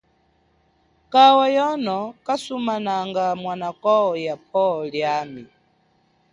Kawa yono kasumananga mwanako ya pwo liami.